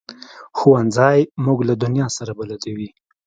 ښوونځی موږ له دنیا سره بلدوي